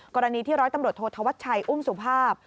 กรณีที่ร้อยตำรวจโทษธวัชชัยอุ้มสุภาพ